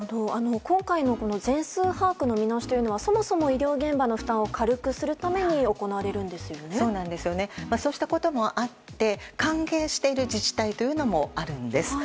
今回の全数把握の見直しというのはそもそも医療現場の負担を軽くするためにそうしたこともあって歓迎している自治体というのもあるんです。